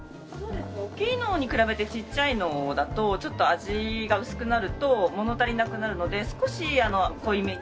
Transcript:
大きいのに比べてちっちゃいのだとちょっと味が薄くなると物足りなくなるので少し濃いめに。